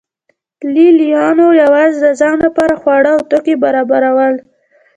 لې لیانو یوازې د ځان لپاره خواړه او توکي برابرول